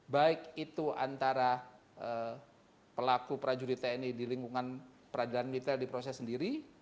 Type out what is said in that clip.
baik itu antara pelaku prajurit tni di lingkungan peradilan militer di proses sendiri